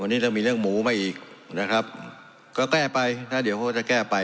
วันนี้ต้องมีเรื่องหมูมาอีกนะครับก็แก้ไปถ้าเดี๋ยวเขาก็จะแก้ไป